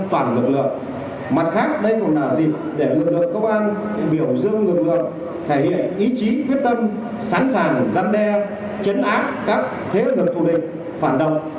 thể hiện ý chí quyết tâm sẵn sàng giăn đe chấn áp các thế lực thù định phản động